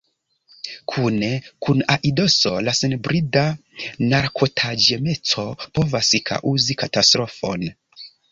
Kune kun aidoso la senbrida narkotaĵemeco povas kaŭzi katastrofon.